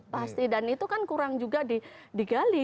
pasti dan itu kan kurang juga di gali